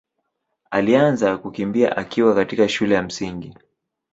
alianza kukimbia akiwa katika shule ya Msingi.